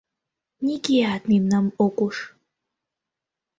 Нигӧат мемнам ок уж...